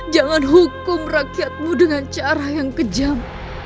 jangan hukum rakyatmu dengan cara yang kejam